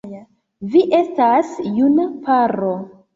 Vi estas juna paro.